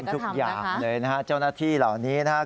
ทำทุกอย่างเลยนะครับเจ้านักที่เหล่านี้นะครับ